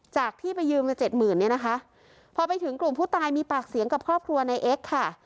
จากที่ไปยืมมาเจ็ดหมื่นเนี่ยนะคะพอไปถึงกลุ่มผู้ตายมีปากเสียงกับครอบครัวในเอ็กซ์ค่ะ